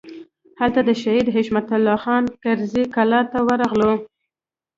هلته د شهید حشمت الله خان کرزي کلا ته ورغلو.